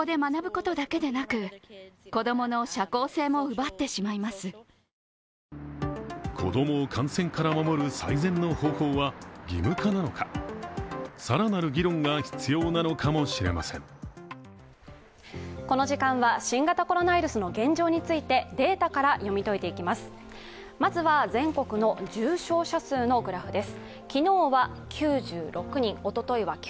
この時間は新型コロナウイルスの現状について、データから読み解いていきます。